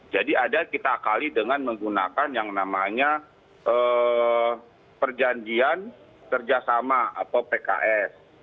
jadi ada kita akali dengan menggunakan yang namanya perjanjian kerjasama atau pks